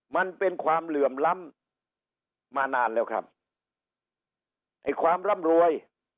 มันเป็นความเหลื่อมล้ำมานานแล้วครับไอ้ความร่ำรวย